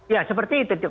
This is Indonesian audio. ya seperti itu